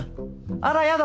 あらやだ